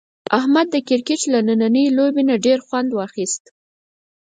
احمد د کرکټ له نننۍ لوبې نه ډېر خوند واخیست.